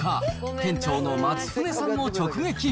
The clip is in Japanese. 店長の松舟さんを直撃。